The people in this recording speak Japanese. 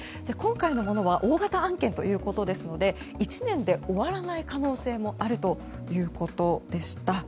今回のものは大型案件ということですので１年で終わらない可能性もあるということでした。